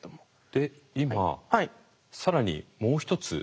で今更にもう一つ。